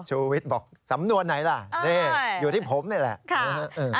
ชูวิตบอกสำนวนไหนล่ะอยู่ที่ผมนี่แหละ